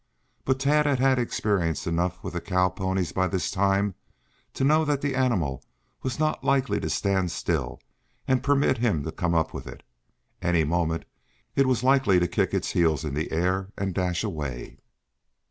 But Tad had had experience enough with the cow ponies by this time to know that the animal was not likely to stand still and permit him to come up with it. At any moment it was likely to kick its heels in the air and dash away.